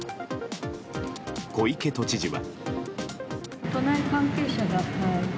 小池都知事は。